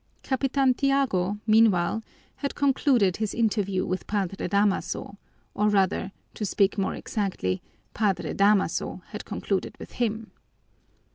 Capitan Tiago, meanwhile, had concluded his interview with Padre Damaso, or rather, to speak more exactly, Padre Damaso had concluded with him.